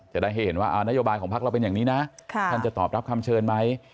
จะได้ให้เห็นว่านโยบายของพักเราเป็นอย่างนี้นะท่านจะตอบรับคำเชิญไหม